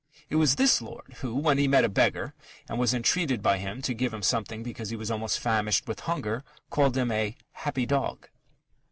It was this lord who, when he met a beggar, and was entreated by him to give him something because he was almost famished with hunger, called him a "happy dog."